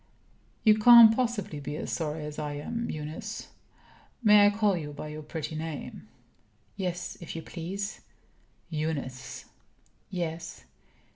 "You can't possibly be as sorry as I am, Eunice. May I call you by your pretty name?" "Yes, if you please." "Eunice!" "Yes."